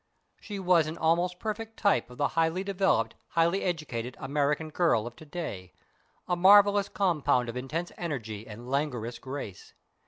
She was an almost perfect type of the highly developed, highly educated American girl of to day, a marvellous compound of intense energy and languorous grace.